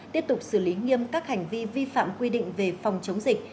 tiếp tục xử lý nghiêm các hành vi vi phạm quy định về phòng chống dịch